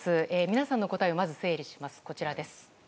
皆さんの答えをまず整理します。